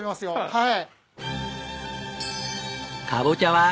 はい。